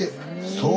そう。